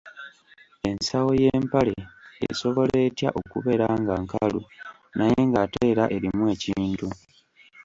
Ensawo y’empale esobola etya okubeera nga nkalu naye ng’ate era erimu ekintu?